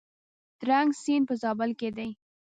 ترنک سیند په زابل کې دی؟